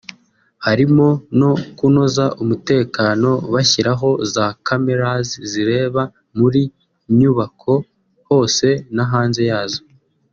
harimo no kunoza umutekano bashyiraho za Cameras zireba muri nyubako hose na hanze yazo